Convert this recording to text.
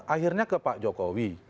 akhirnya ke pak jokowi